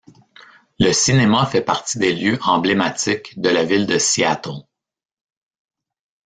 Le cinéma fait partie des lieux emblématiques de la ville de Seattle.